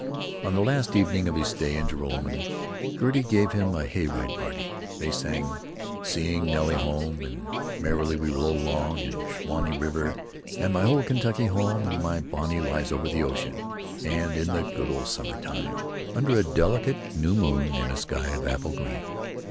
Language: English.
On the last evening of his stay in Joralemon Gertie gave him a hay ride party. They sang "Seeing Nelly Home," and "Merrily We Roll Along," and "Suwanee River," and "My Old Kentucky Home," and "My Bonnie Lies Over the Ocean," and "In the Good Old Summertime," under a delicate new moon in a sky of apple green.